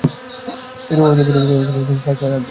এইরূপ অবস্থায় গোরা যথাসাধ্য যাত্রীদিগকে সাহায্য করিতেছিল।